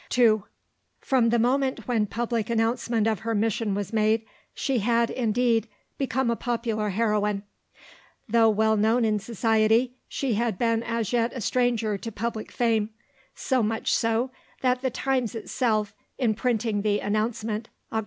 II From the moment when public announcement of her mission was made, she had, indeed, become a popular heroine. Though well known in Society, she had been as yet a stranger to public fame; so much so that the Times itself, in printing the announcement (Oct.